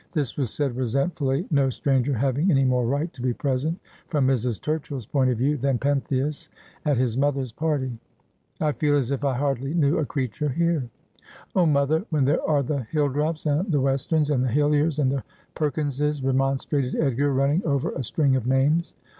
This was said re sentfully, no stranger having any more right to be present, from Mrs. Turchill's point of view, than Pentheus at his mother's party. ' I feel as if I hardly knew a creature here.' ' Oh, mother, when there are the Hilldrops, and the Westerns, and the Hilliers, and the Perkinses,' remonstrated Edgar, running over a string of names.